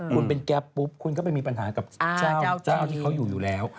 คุณเป็นแก๊ปปุ๊บคุณก็ไปมีปัญหากับเจ้าที่เขาอยู่อยู่แล้ว